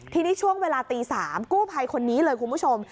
ทีนี้ช่วงเวลาตี๓กู้ภัยคนนี้เลยคุณผู้ชม